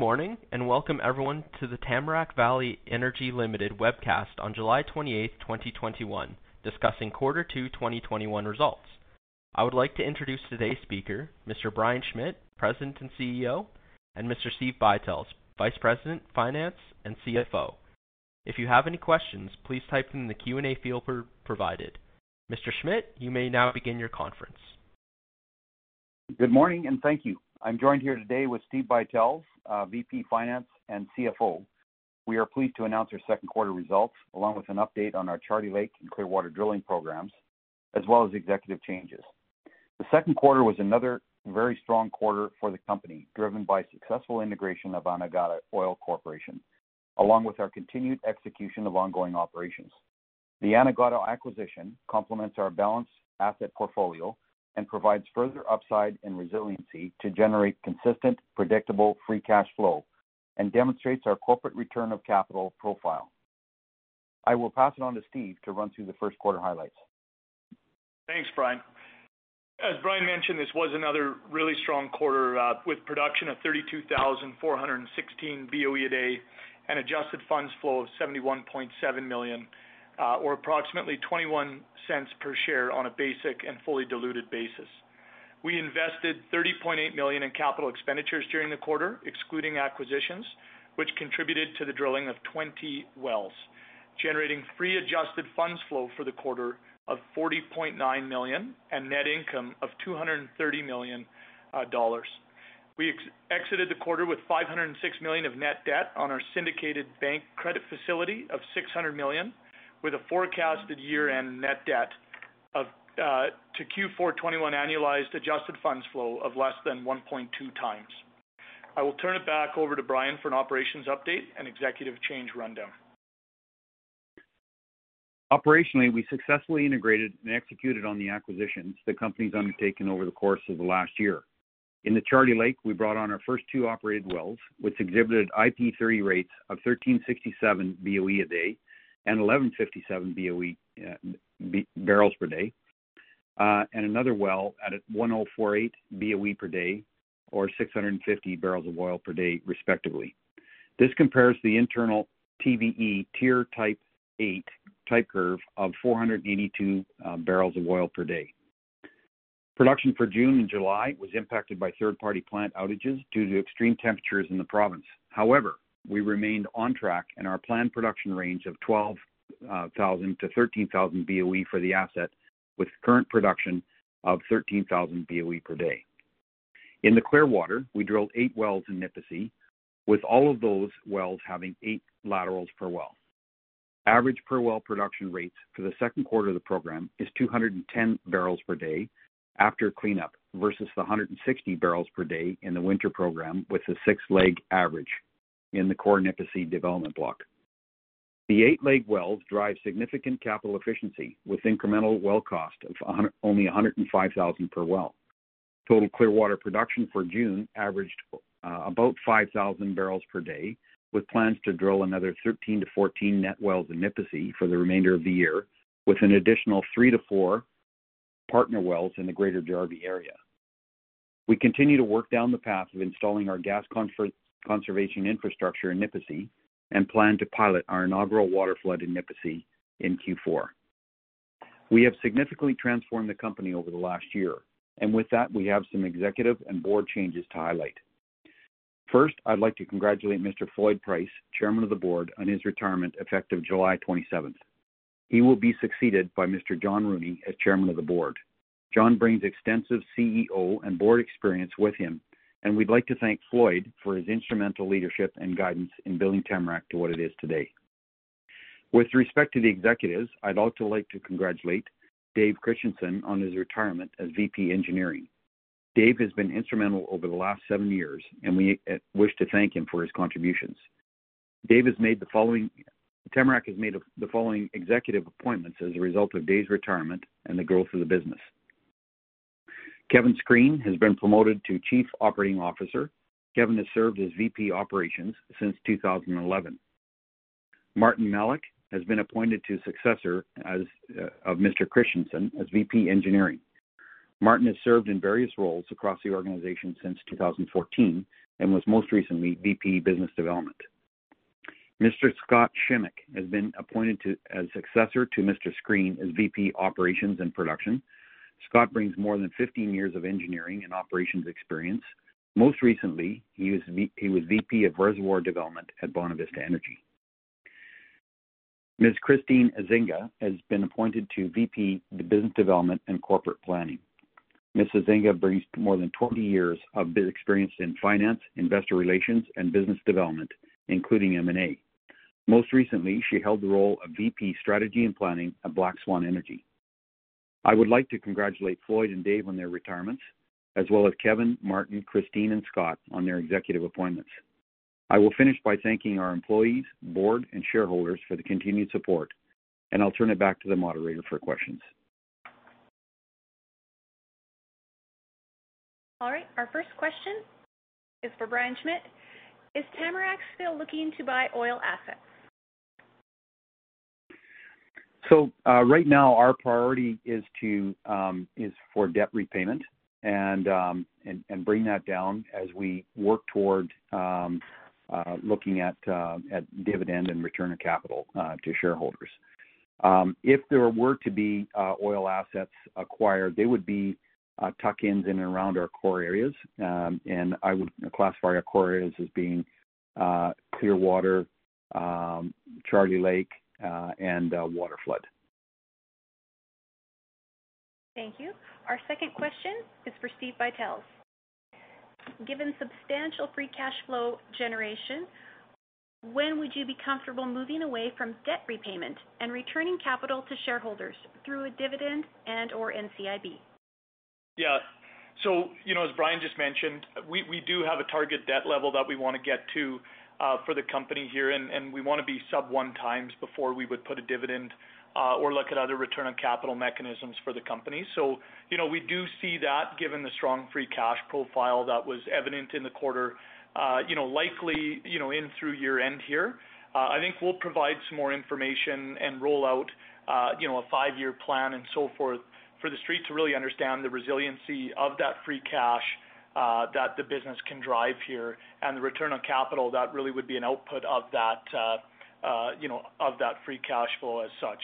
Good morning, and welcome everyone to the Tamarack Valley Energy Ltd. webcast on July 28th, 2021, discussing quarter two 2021 results. I would like to introduce today's speaker, Mr. Brian Schmidt, President and CEO, and Mr. Steve Buytels, Vice President, Finance, and CFO. If you have any questions, please type them in the Q&A field provided. Mr. Schmidt, you may now begin your conference. Good morning. Thank you. I'm joined here today with Steve Buytels, VP, Finance, and CFO. We are pleased to announce our second quarter results, along with an update on our Charlie Lake and Clearwater drilling programs, as well as executive changes. The second quarter was another very strong quarter for the company, driven by successful integration of Anegada Oil Corporation, along with our continued execution of ongoing operations. The Anegada acquisition complements our balanced asset portfolio and provides further upside and resiliency to generate consistent, predictable, free cash flow and demonstrates our corporate return of capital profile. I will pass it on to Steve to run through the first quarter highlights. Thanks, Brian. As Brian mentioned, this was another really strong quarter with production of 32,416 BOE/day and adjusted funds flow of 71.7 million, or approximately 0.21 per share on a basic and fully diluted basis. We invested 30.8 million in capital expenditures during the quarter, excluding acquisitions, which contributed to the drilling of 20 wells, generating free adjusted funds flow for the quarter of 40.9 million and net income of 230 million dollars. We exited the quarter with 506 million of net debt on our syndicated bank credit facility of 600 million, with a forecasted year-end net debt to Q4 2021 annualized adjusted funds flow of less than 1.2x. I will turn it back over to Brian for an operations update and executive change rundown. Operationally, we successfully integrated and executed on the acquisitions the company's undertaken over the course of the last year. In the Charlie Lake, we brought on our first two operated wells, which exhibited IP30 rates of 1,367 boe/d and 1,157 boe/d, and another well at 1,048 boe/d or 650 boe/d, respectively. This compares the internal TVE Tier type eight type curve of 482 boe/d. Production for June and July was impacted by third-party plant outages due to extreme temperatures in the province. However, we remained on track in our planned production range of 12,000-13,000 boe for the asset, with current production of 13,000 boe/day. In the Clearwater, we drilled eight wells in Nipisi, with all of those wells having eight laterals per well. Average per-well production rates for the second quarter of the program is 210 bbl/d after cleanup versus the 160 bbl/d in the winter program with the six-leg average in the core Nipisi development block. The eight-leg wells drive significant capital efficiency with incremental well cost of only 105,000 per well. Total Clearwater production for June averaged about 5,000 bbl/d, with plans to drill another 13-14 net wells in Nipisi for the remainder of the year, with an additional three to four partner wells in the greater Jarvie area. We continue to work down the path of installing our gas conservation infrastructure in Nipisi and plan to pilot our inaugural waterflood in Nipisi in Q4. We have significantly transformed the company over the last year, and with that, we have some executive and board changes to highlight. First, I'd like to congratulate Mr. Floyd Price, Chairman of the Board, on his retirement effective July 27th. He will be succeeded by Mr. John Rooney as Chairman of the Board. John brings extensive CEO and board experience with him, and we'd like to thank Floyd for his instrumental leadership and guidance in building Tamarack to what it is today. With respect to the executives, I'd also like to congratulate Dave Christensen on his retirement as VP, Engineering. Dave has been instrumental over the last seven years, and we wish to thank him for his contributions. Tamarack has made the following executive appointments as a result of Dave's retirement and the growth of the business. Kevin Screen has been promoted to Chief Operating Officer. Kevin has served as VP, Operations since 2011. Martin Malek has been appointed to successor of Mr. Christensen as VP, Engineering. Martin has served in various roles across the organization since 2014 and was most recently VP, Business Development. Mr. Scott Shimek has been appointed as successor to Mr. Screen as VP, Operations and Production. Scott brings more than 15 years of engineering and operations experience. Most recently, he was VP of Reservoir Development at Bonavista Energy. Ms. Christine Ezinga has been appointed to VP of Business Development and Corporate Planning. Ms. Ezinga brings more than 20 years of experience in finance, investor relations, and business development, including M&A. Most recently, she held the role of VP, Strategy and Planning at Black Swan Energy. I would like to congratulate Floyd and Dave on their retirements, as well as Kevin, Martin, Christine, and Scott on their executive appointments. I will finish by thanking our employees, board, and shareholders for the continued support. I'll turn it back to the moderator for questions. All right. Our first question is for Brian Schmidt. Is Tamarack still looking to buy oil assets? Right now our priority is for debt repayment and bring that down as we work toward looking at dividend and return of capital to shareholders. If there were to be oil assets acquired, they would be tuck-ins in and around our core areas. I would classify our core areas as being Clearwater, Charlie Lake, and waterflood. Thank you. Our second question is for Steve Buytels. Given substantial free cash flow generation, when would you be comfortable moving away from debt repayment and returning capital to shareholders through a dividend and/or NCIB? Yeah. As Brian just mentioned, we do have a target debt level that we want to get to for the company here, and we want to be sub 1x before we would put a dividend or look at other return on capital mechanisms for the company. We do see that given the strong free cash profile that was evident in the quarter likely in through year-end here. I think we'll provide some more information and roll out a five-year plan and so forth for the Street to really understand the resiliency of that free cash that the business can drive here, and the return on capital that really would be an output of that free cash flow as such.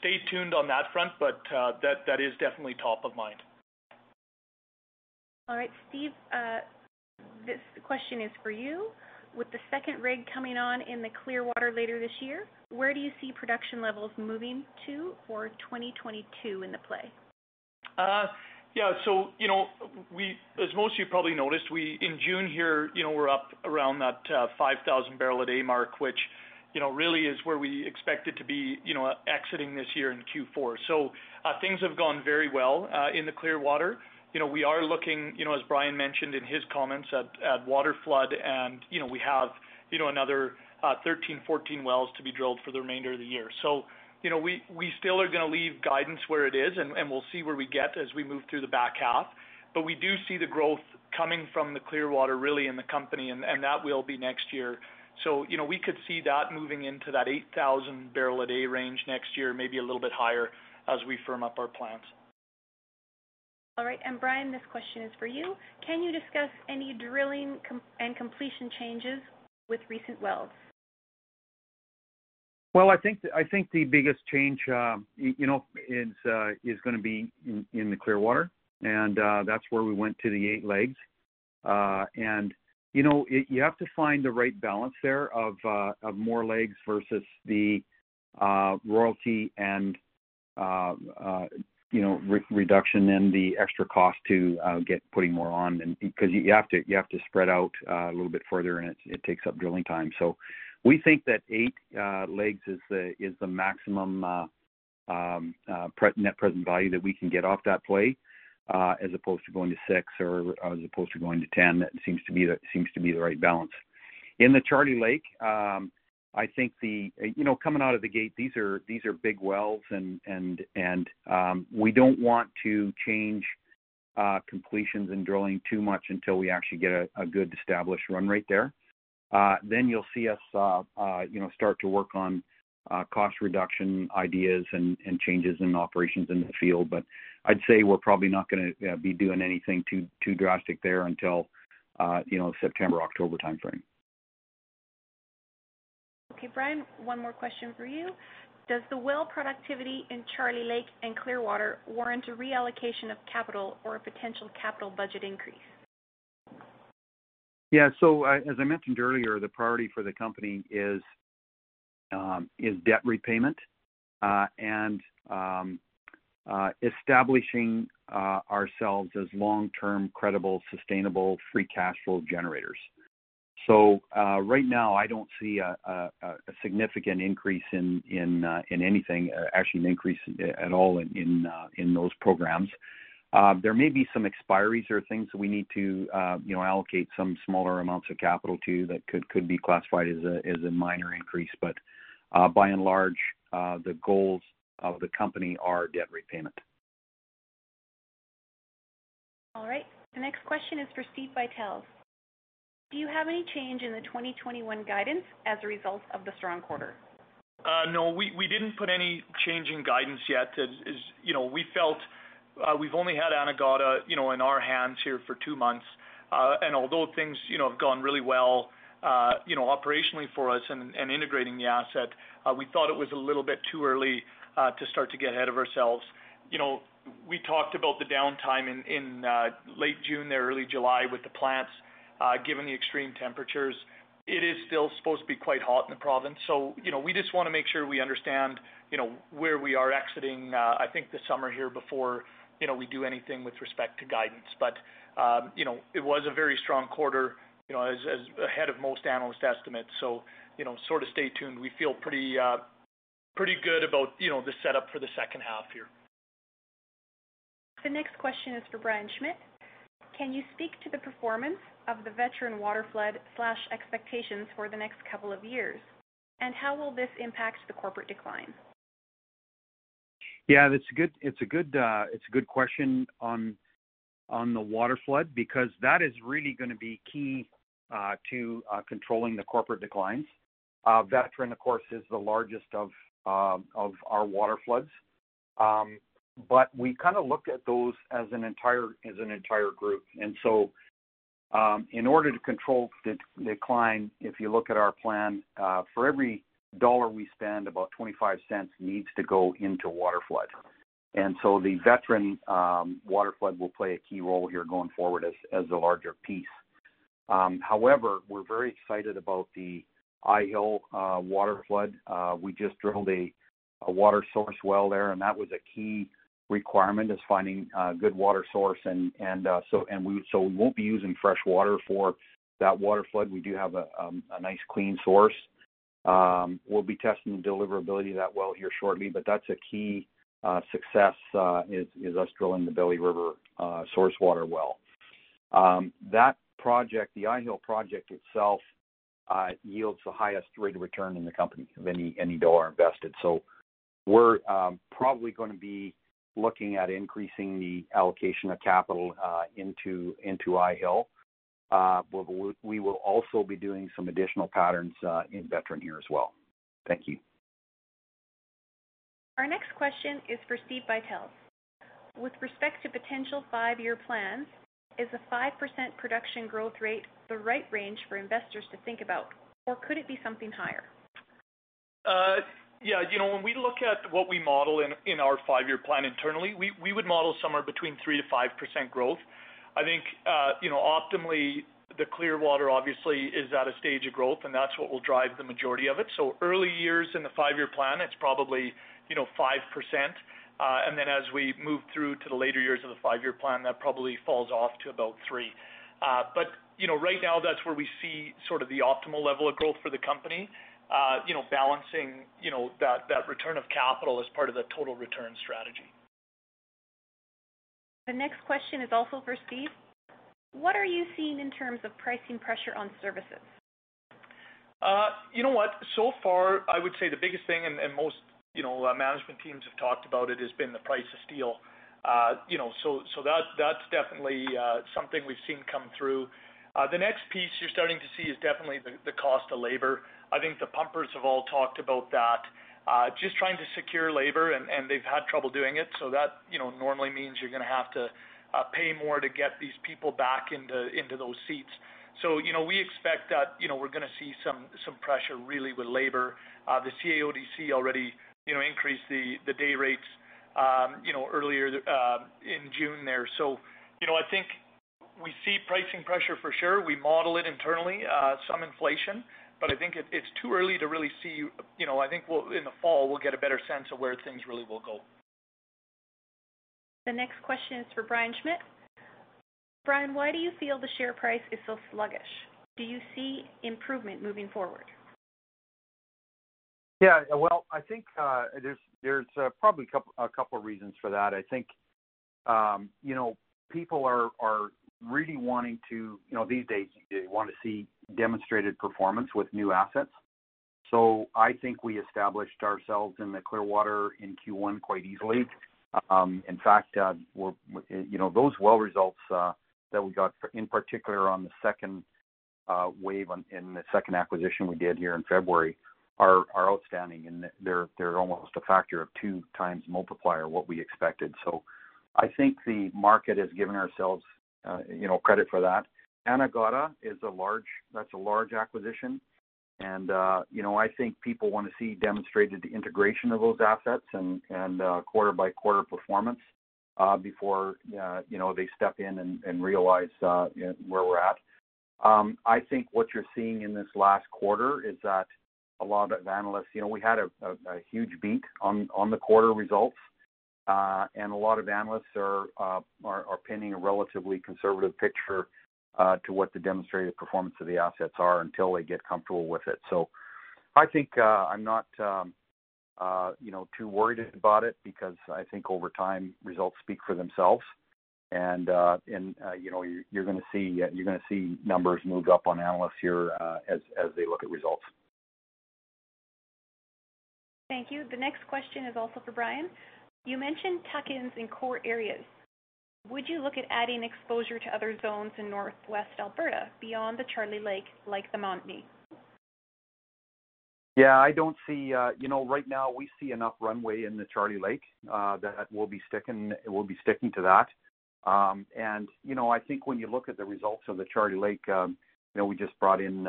Stay tuned on that front, but that is definitely top of mind. All right. Steve, this question is for you. With the second rig coming on in the Clearwater later this year, where do you see production levels moving to for 2022 in the play? Yeah. As most of you probably noticed, in June here, we're up around that 5,000 bbl/d mark, which really is where we expect it to be exiting this year in Q4. Things have gone very well in the Clearwater. We are looking, as Brian mentioned in his comments, at waterflood and we have another 13, 14 wells to be drilled for the remainder of the year. We still are going to leave guidance where it is, and we'll see where we get as we move through the back half. We do see the growth coming from the Clearwater really in the company, and that will be next year. We could see that moving into that 8,000 bbl/d range next year, maybe a little bit higher as we firm up our plans. All right. Brian, this question is for you. Can you discuss any drilling and completion changes with recent wells? Well, I think the biggest change is going to be in the Clearwater, and that's where we went to the eight legs. You have to find the right balance there of more legs versus the royalty and reduction in the extra cost to get putting more on than because you have to spread out a little bit further, and it takes up drilling time. We think that eight legs is the maximum net present value that we can get off that play as opposed to going to six or as opposed to going to 10. That seems to be the right balance. In the Charlie Lake, coming out of the gate, these are big wells, we don't want to change completions and drilling too much until we actually get a good established run rate there. You'll see us start to work on cost reduction ideas and changes in operations in the field. I'd say we're probably not going to be doing anything too drastic there until September, October timeframe. Okay. Brian, one more question for you. Does the well productivity in Charlie Lake and Clearwater warrant a reallocation of capital or a potential capital budget increase? Yeah. As I mentioned earlier, the priority for the company is debt repayment and establishing ourselves as long-term credible, sustainable, free cash flow generators. Right now, I don't see a significant increase in anything, actually an increase at all in those programs. There may be some expiries or things that we need to allocate some smaller amounts of capital to that could be classified as a minor increase. But by and large, the goals of the company are debt repayment. All right. The next question is for Steve Buytels. Do you have any change in the 2021 guidance as a result of the strong quarter? No. We didn't put any change in guidance yet. We've only had Anegada in our hands here for two months. Although things have gone really well operationally for us and integrating the asset, we thought it was a little bit too early to start to get ahead of ourselves. We talked about the downtime in late June there, early July with the plants given the extreme temperatures. It is still supposed to be quite hot in the province, we just want to make sure we understand where we are exiting I think this summer here before we do anything with respect to guidance. It was a very strong quarter ahead of most analyst estimates. Sort of stay tuned. We feel pretty good about the setup for the second half here. The next question is for Brian Schmidt. Can you speak to the performance of the Veteran waterflood/expectations for the next couple of years, and how will this impact the corporate decline? Yeah, it's a good question on the waterflood, because that is really going to be key to controlling the corporate declines. Veteran, of course, is the largest of our waterfloods. We kind of look at those as an entire group. In order to control decline, if you look at our plan, for every CAD 1 we spend, about 0.25 needs to go into waterflood. The Veteran waterflood will play a key role here going forward as the larger piece. However, we're very excited about the Eyehill waterflood. We just drilled a water source well there, and that was a key requirement, is finding a good water source. We won't be using fresh water for that waterflood. We do have a nice clean source. We'll be testing the deliverability of that well here shortly, but that's a key success, is us drilling the Belly River source water well. That project, the Eyehill project itself, yields the highest rate of return in the company of any dollar invested. We're probably going to be looking at increasing the allocation of capital into Eyehill. We will also be doing some additional patterns in Veteran here as well. Thank you. Our next question is for Steve Buytels. With respect to potential five-year plans, is a 5% production growth rate the right range for investors to think about, or could it be something higher? Yeah. When we look at what we model in our five-year plan internally, we would model somewhere between 3%-5% growth. I think optimally, the Clearwater obviously is at a stage of growth. That's what will drive the majority of it. Early years in the five-year plan, it's probably 5%. As we move through to the later years of the five-year plan, that probably falls off to about 3%. Right now, that's where we see sort of the optimal level of growth for the company, balancing that return of capital as part of the total return strategy. The next question is also for Steve. What are you seeing in terms of pricing pressure on services? You know what? So far, I would say the biggest thing, and most management teams have talked about it, has been the price of steel. That's definitely something we've seen come through. The next piece you're starting to see is definitely the cost of labor. I think the pumpers have all talked about that. Just trying to secure labor, and they've had trouble doing it, so that normally means you're going to have to pay more to get these people back into those seats. We expect that we're going to see some pressure really with labor. The CAODC already increased the day rates earlier in June there. I think we see pricing pressure for sure. We model it internally, some inflation, but I think it's too early to really see. I think in the fall we'll get a better sense of where things really will go. The next question is for Brian Schmidt. Brian, why do you feel the share price is so sluggish? Do you see improvement moving forward? Yeah. Well, I think there's probably a couple of reasons for that. I think people are really these days, they want to see demonstrated performance with new assets. I think we established ourselves in the Clearwater in Q1 quite easily. In fact, those well results that we got, in particular on the second wave in the second acquisition we did here in February, are outstanding, and they're almost a factor of two times multiplier what we expected. I think the market has given ourselves credit for that. Anegada, that's a large acquisition, and I think people want to see demonstrated the integration of those assets and quarter-by-quarter performance before they step in and realize where we're at. I think what you're seeing in this last quarter is that we had a huge beat on the quarter results, and a lot of analysts are painting a relatively conservative picture to what the demonstrated performance of the assets are until they get comfortable with it. I think I'm not too worried about it, because I think over time, results speak for themselves. You're going to see numbers moved up on analysts here as they look at results. Thank you. The next question is also for Brian. You mentioned tuck-ins in core areas. Would you look at adding exposure to other zones in northwest Alberta beyond the Charlie Lake, like the Montney? Yeah, right now we see enough runway in the Charlie Lake that we'll be sticking to that. I think when you look at the results of the Charlie Lake, we just brought in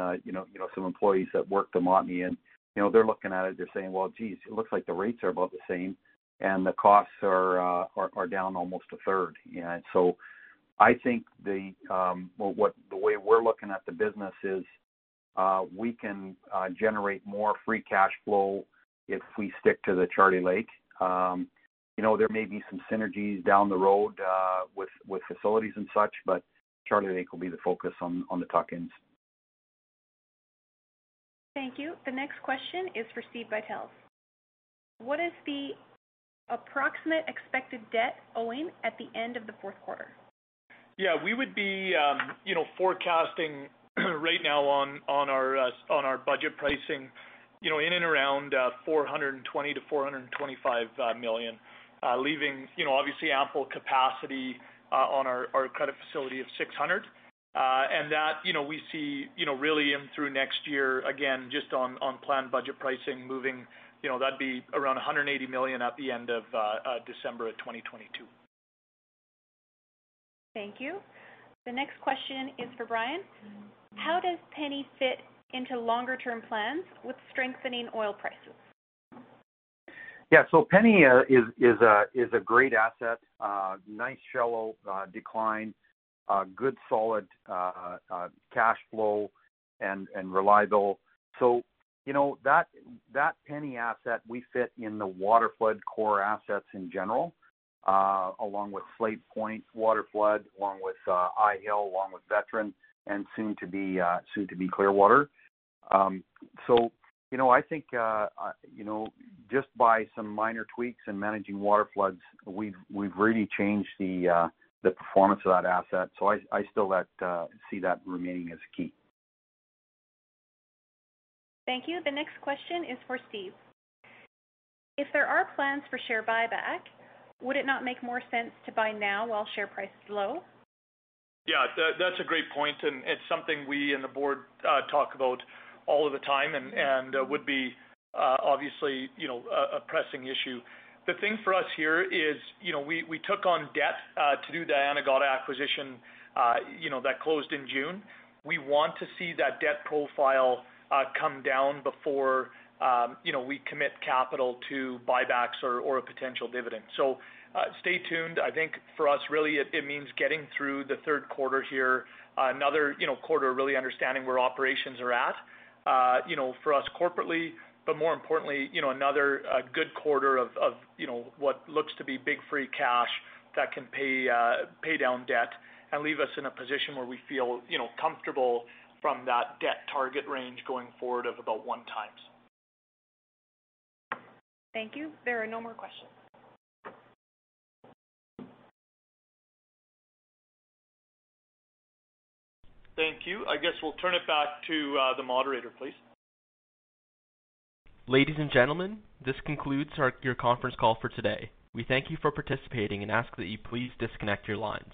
some employees that worked the Montney in. They're looking at it, they're saying, "Well, geez, it looks like the rates are about the same and the costs are down almost a third." I think the way we're looking at the business is we can generate more free cash flow if we stick to the Charlie Lake. There may be some synergies down the road with facilities and such, but Charlie Lake will be the focus on the tuck-ins. Thank you. The next question is for Steve Buytels. What is the approximate expected debt owing at the end of the fourth quarter? Yeah, we would be forecasting right now on our budget pricing in and around 420 million-425 million, leaving obviously ample capacity on our credit facility of 600 million. That we see really in through next year, again, just on planned budget pricing moving, that'd be around 180 million at the end of December of 2022. Thank you. The next question is for Brian. How does Penny fit into longer term plans with strengthening oil prices? Yeah. Penny is a great asset. Nice shallow decline, good solid cash flow, and reliable. That Penny asset we fit in the waterflood core assets in general, along with Slave Point waterflood, along with Eyehill, along with Veteran, and soon to be Clearwater. I think just by some minor tweaks in managing waterfloods, we've really changed the performance of that asset. I still see that remaining as key. Thank you. The next question is for Steve. If there are plans for share buyback, would it not make more sense to buy now while share price is low? Yeah, that's a great point, and it's something we and the board talk about all of the time and would be obviously a pressing issue. The thing for us here is we took on debt to do the Anegada acquisition that closed in June. We want to see that debt profile come down before we commit capital to buybacks or a potential dividend. Stay tuned. I think for us, really it means getting through the third quarter here, another quarter of really understanding where operations are at for us corporately, but more importantly another good quarter of what looks to be big free cash that can pay down debt and leave us in a position where we feel comfortable from that debt target range going forward of about 1x. Thank you. There are no more questions. Thank you. I guess we'll turn it back to the moderator, please. Ladies and gentlemen, this concludes your conference call for today. We thank you for participating and ask that you please disconnect your lines.